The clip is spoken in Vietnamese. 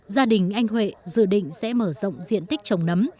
gia đình anh huệ dự định sẽ mở rộng diện tích trồng nấm